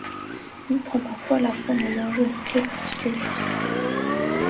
Il prend parfois la forme d'un jeu de clefs particulières.